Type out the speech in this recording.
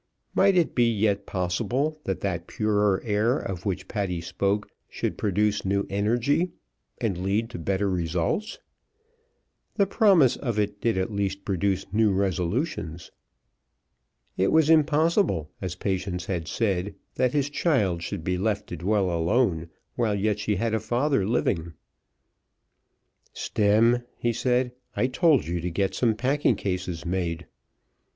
Might it be yet possible that that purer air of which Patty spoke should produce new energy, and lead to better results? The promise of it did at least produce new resolutions. It was impossible, as Patience had said, that his child should be left to dwell alone, while yet she had a father living. "Stemm," he said, "I told you to get some packing cases made."